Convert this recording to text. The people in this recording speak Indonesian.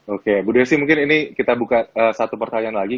oke bu desi mungkin ini kita buka satu pertanyaan lagi